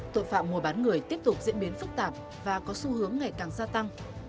tội phạm mùa bán người tiếp tục diễn biến phức tạp và có xu hướng ngày càng gia tăng